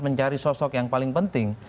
mencari sosok yang paling penting